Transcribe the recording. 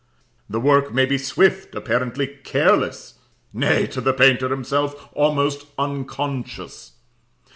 The work may be swift, apparently careless, nay, to the painter himself almost unconscious.